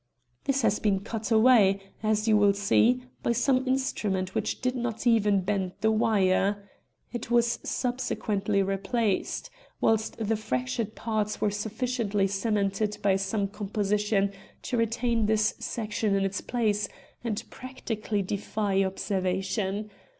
"This has been cut away, as you will see, by some instrument which did not even bend the wire. It was subsequently replaced, whilst the fractured parts were sufficiently cemented by some composition to retain this section in its place, and practically defy observation.